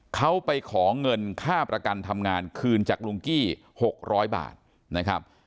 เขาไปขอเงินค่าประกันทำงานคืนจากลุงกี้๖๐๐บาทนะครับ